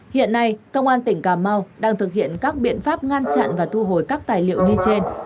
hiện nay công an tỉnh cà mau đang thực hiện các biện pháp ngăn chặn và thu hồi các tài liệu như trên